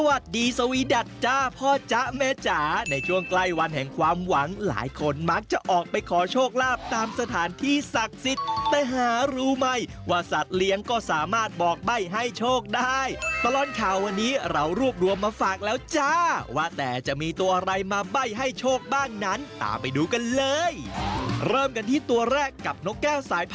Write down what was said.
เริ่มกันที่ตัวแรกกับนกแก้วสายพันธุ์ฟอร์พลัส